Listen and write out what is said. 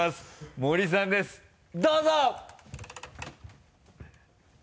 森さんですどうぞ！